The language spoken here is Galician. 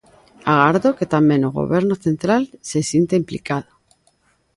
Agardo que tamén o Goberno central se sinta implicado.